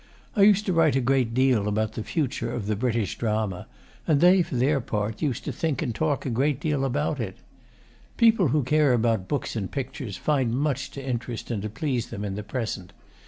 I used to write a great deal about the future of the British drama, and they, for their part, used to think and talk a great deal about it. People who care about books and pictures find much to interest and please them in the present.